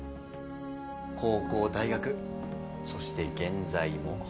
高校大学そして現在も。